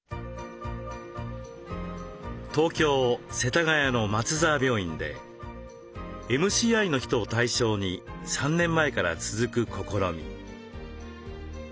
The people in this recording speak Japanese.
東京・世田谷の松沢病院でＭＣＩの人を対象に３年前から続く試み。